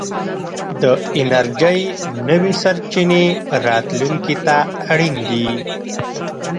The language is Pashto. د انرژۍ نوې سرچينې راتلونکي ته اړين دي.